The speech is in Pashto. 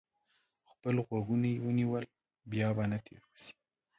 خپل غوږونه یې ونیول؛ بیا به نه تېروځي.